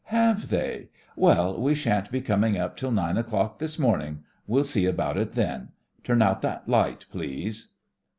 "Have they? Well, we shan't be coming up till nine o'clock this morning. We'll see about it then. Turn out that light, please."